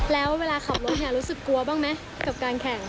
แล้วเวลาขับรถเนี่ยรู้สึกกลัวบ้างไหมกับการแข่ง